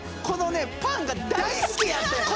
このパンが大好きやった！